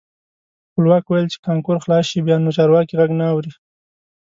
خپلواک ویل چې کانکور خلاص شي بیا نو چارواکي غږ نه اوري.